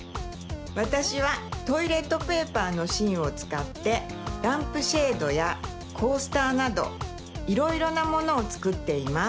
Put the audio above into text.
わたしはトイレットペーパーのしんをつかってランプシェードやコースターなどいろいろなものをつくっています。